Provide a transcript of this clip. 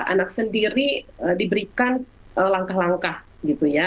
anak sendiri diberikan langkah langkah gitu ya